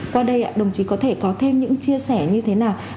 qua đây đồng chí có thể có thêm những chia sẻ như thế nào